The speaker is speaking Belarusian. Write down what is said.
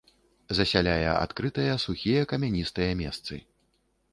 Засяляе адкрытыя сухія камяністыя месцы.